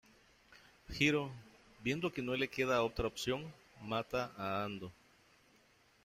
Hiro; viendo que no le queda otra opción, mata a Ando.